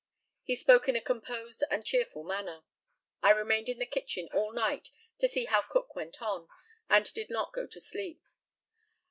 He spoke in a composed and cheerful manner. I remained in the kitchen all night, to see how Cook went on, and did not go to sleep.